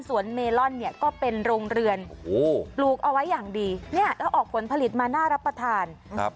สวนเมลอนก็เป็นโรงเรือนปลูกเอาไว้อย่างดีแล้วออกผลผลิตมาน่ารับประทาน